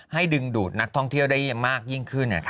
ดึงดูดนักท่องเที่ยวได้มากยิ่งขึ้น